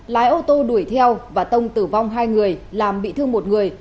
lái ô tô đuổi theo và tông tử vong hai người làm bị thương một người